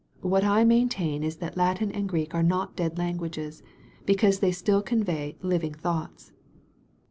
What I maintain is that Latin and Greek are not dead languages, because they still convey living thoughts.